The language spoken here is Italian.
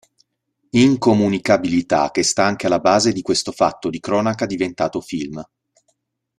Incomunicabilità che sta anche alla base di questo fatto di cronaca diventato film.